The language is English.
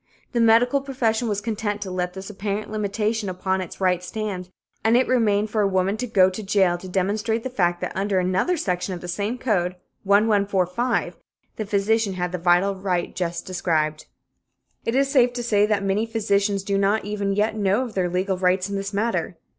The medical profession was content to let this apparent limitation upon its rights stand, and it remained for a woman to go to jail to demonstrate the fact that under another section of the same code 1145 the physician had the vital right just described. It is safe to say that many physicians do not even yet know of their legal rights in this matter.